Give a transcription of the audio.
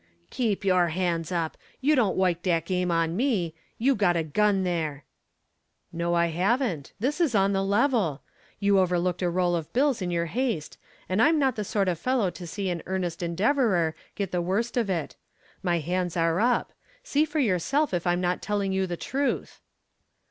"Keep your hands up! You don't woik dat game on me. You got a gun there." "No, I haven't. This is on the level. You over looked a roll of bills in your haste and I'm not the sort of fellow to see an earnest endeavorer get the worst of it. My hands are up. See for yourself if I'm not telling you the truth."